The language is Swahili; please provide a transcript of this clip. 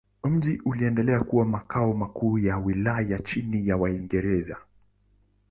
Mji uliendelea kuwa makao makuu ya wilaya chini ya Waingereza.